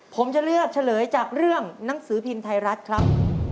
ผมจะเลือกเฉลยจากเรื่องหนังสือพิมพ์ไทยรัฐครับ